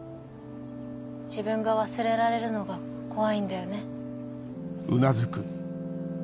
自分が忘れられるのが怖いんだよね？